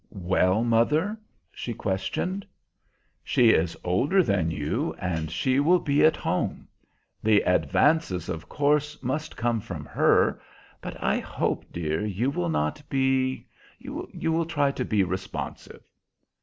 "Well, mother?" she questioned. "She is older than you, and she will be at home. The advances, of course, must come from her, but I hope, dear, you will not be you will try to be responsive?"